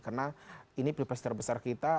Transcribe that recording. karena ini pilpres terbesar kita